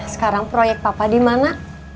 sekarang proyek papa dimana